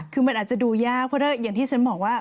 คือมันอาจจะดูยากเพราะอย่างที่ฉันบอกว่า